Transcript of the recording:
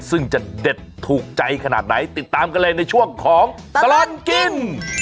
ซึ่งจะเด็ดถูกใจขนาดไหนติดตามกันเลยในช่วงของตลอดกิน